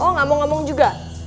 oh gak mau ngomong juga